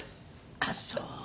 あっそう。